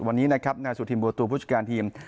วันนี้นะครับนายสุธินบัวตูผู้จัดการทีม